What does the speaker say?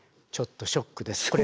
ちょっとショックです。